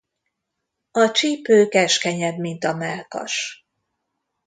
A csípő keskenyebb mint a mellkas.